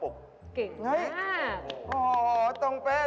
โอ้โหตรงเป้เลยอ่ะ